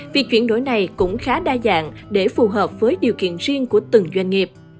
việc chuyển đổi này cũng khá đa dạng để phù hợp với điều kiện riêng của từng doanh nghiệp